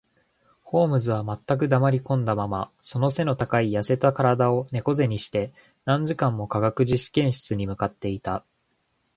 ホームズは全く黙りこんだまま、その脊の高い痩せた身体を猫脊にして、何時間も化学実験室に向っていた